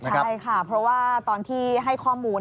ใช่ค่ะเพราะว่าตอนที่ให้ข้อมูล